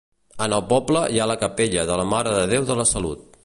En el poble hi ha la capella de la Mare de Déu de la Salut.